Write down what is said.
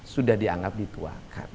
sudah dianggap dituakan